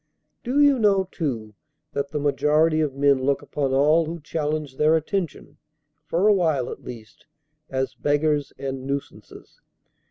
Do you know, too, that the majority of men look upon all who challenge their attention, for a while, at least, as beggars, and nuisances?